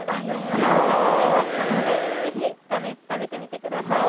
花を咲かせましたので、ぜひ食べてみてください。